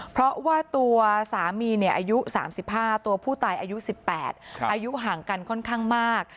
เพราะว่าตัวสามีอายุ๓๕ตัวผู้ตายอายุ๑๘อายุห่างกันค่อนข้างมาก